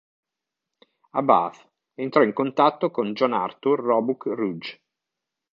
A Bath entrò in contatto con John Arthur Roebuck Rudge.